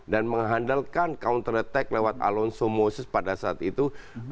dan mengandalkan counter attack lewat alonso moses pada saat itu